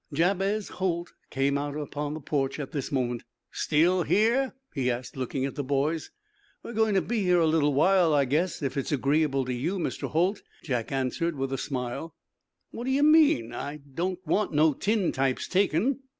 Jabez Holt came out upon the porch at this moment. "Still here?" he asked, looking at the boys. "We're going to be here a little while, I guess, if it's agreeable to you, Mr. Holt," Jack answered; with a smile. "What d'ye mean? I don't want no tin types taken."